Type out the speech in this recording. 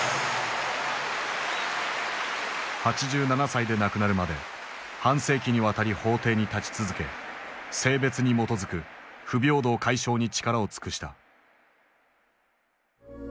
８７歳で亡くなるまで半世紀にわたり法廷に立ち続け性別に基づく不平等解消に力を尽くした。